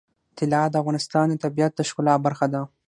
طلا د افغانستان د طبیعت د ښکلا برخه ده.